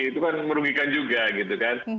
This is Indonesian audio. itu kan merugikan juga gitu kan